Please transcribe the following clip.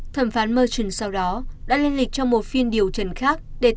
thẩm phán merchant sau đó đã lên lịch cho một phiên điều trần khác